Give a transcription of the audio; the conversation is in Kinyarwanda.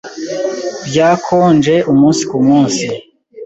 Byakonje umunsi kumunsi.